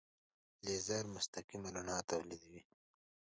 لیزر مستقیمه رڼا تولیدوي.